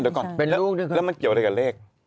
ไม่เดี๋ยวก่อนแล้วมันเกี่ยวกับเลข